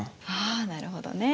あなるほどね。